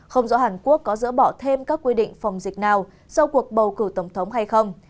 không rõ hàn quốc có dỡ bỏ thêm các quy định phòng dịch nào sau cuộc bầu cử tổng thống hay không